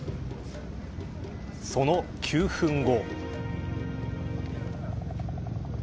その９分後。